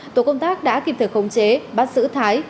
tổ công tác đã kịp thực khống chế bắt xử thái